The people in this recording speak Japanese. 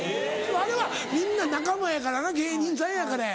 あれはみんな仲間やからな芸人さんやからや。